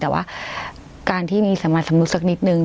แต่ว่าการที่มีสัมมาสำนึกสักนิดนึง